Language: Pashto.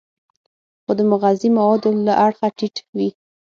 خو د مغذي موادو له اړخه ټیټ وي.